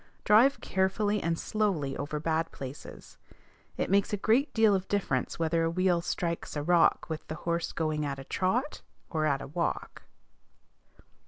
Drive carefully and slowly over bad places. It makes a great deal of difference whether a wheel strikes a rock with the horse going at a trot, or at a walk.